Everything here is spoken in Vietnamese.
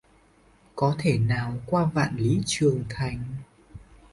Có thể nào qua Vạn lý trường thành